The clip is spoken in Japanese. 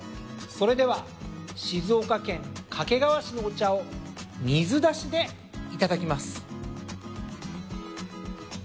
それでは静岡県掛川市のお茶を水出しで頂きます。